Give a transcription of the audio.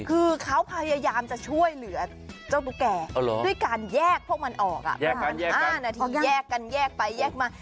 คือเขาพยายามจะช่วยเหลือเจ้าตุ๊กแก่อ๋อเหรอด้วยการแยกพวกมันออกแยกกันแยกกันอ่าหน้าทีแยกกันแยกไปแยกมา